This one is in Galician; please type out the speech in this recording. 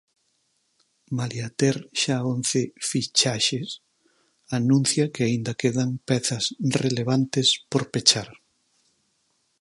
Malia ter xa once fichaxes, anuncia que aínda quedan pezas relevantes por pechar.